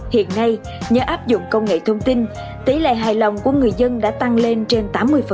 hiện nay nhờ áp dụng công nghệ thông tin tỷ lệ hài lòng của người dân đã tăng lên trên tám mươi